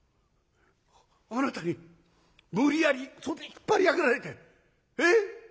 あなたに無理やり袖引っ張り上げられてえっ